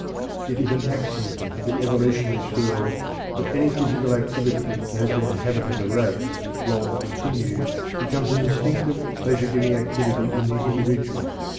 It is an axiom of the evolutionary school that any physical activity that has been a habit of the race, long continued, becomes an instinctive pleasure giving activity in the individual.